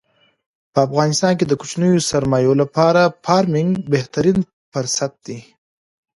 په افغانستان کې د کوچنیو سرمایو لپاره فارمنګ بهترین پرست دی.